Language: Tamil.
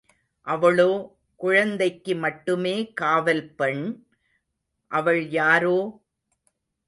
அவளோ குழந்தைக்கு மட்டுமே காவல் பெண்!... அவள் யாரோ!